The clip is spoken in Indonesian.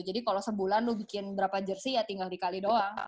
jadi kalau sebulan lo bikin berapa jersey ya tinggal dikali doang